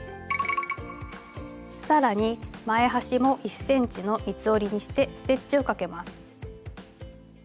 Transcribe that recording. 更に前端も１ｃｍの三つ折りにしてステッチをかけます。